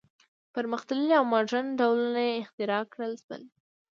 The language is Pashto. پرمختللي او ماډرن ډولونه یې اختراع کړل شول.